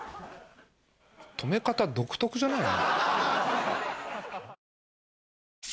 止め方独特じゃない？